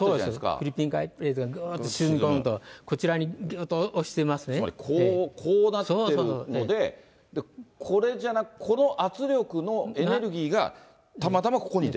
フィリピン海プレートがずっと沈み込むと、つまり、こうなってるので、これじゃなくて、この圧力のエネルギーが、たまたまここに出た？